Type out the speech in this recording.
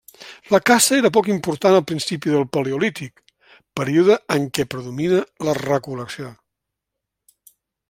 La caça era poc important al principi del paleolític, període en què predomina la recol·lecció.